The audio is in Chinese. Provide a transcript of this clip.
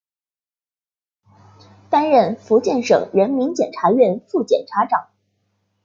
担任福建省人民检察院副检察长。